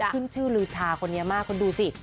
ขึ้นชื่อลือชาคนนี้มากคุณดูสิ